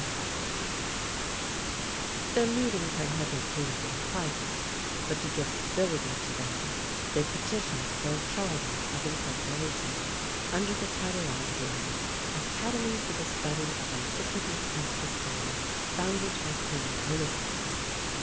] Their meetings had hitherto been private; but to give stability to them, they petitioned for a charter of incorporation, under the title of the Academy for the Study of Antiquity and History, founded by Queen Elizabeth.